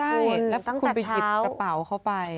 ตั้งแต่เช้าแล้วคุณไปหยิบประเป๋าเข้าไป